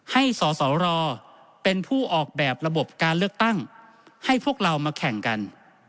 สสรเป็นผู้ออกแบบระบบการเลือกตั้งให้พวกเรามาแข่งกัน